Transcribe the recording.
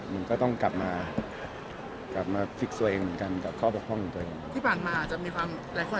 มันก็ก็ต้องกลับมากลับมาฟิกส์วันเองเหมือนกันกับข้อบกฟังตัวเอง